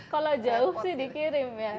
kalau jauh sih dikirim ya